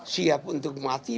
siap untuk mati